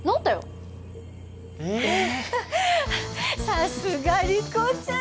さすがリコちゃん！